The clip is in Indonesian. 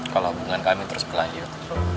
kalau hubungan kami terus berlanjut